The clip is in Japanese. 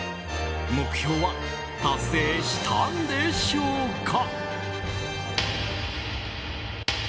目標は達成したんでしょうか。